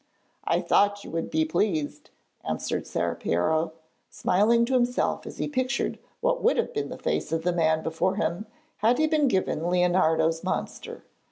'I thought you would be pleased,' answered Ser Piero, smiling to himself as he pictured what would have been the face of the man before him, had he been given Leonardo's monster.